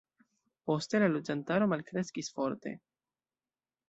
Poste la loĝantaro malkreskis forte.